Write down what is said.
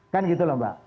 kan gitu lho mbak